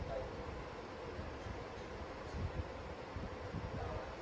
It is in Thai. สวัสดีทุกคน